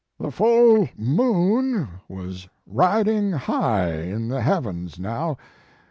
"The full moon was riding high in the heavens now.